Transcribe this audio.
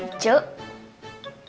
tadi teh siapa